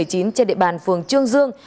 trên địa bàn phường trương dương